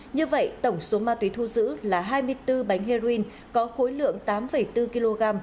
như vậy tổng số ma túy thu giữ là hai mươi bốn bánh heroin có khối lượng tám bốn kg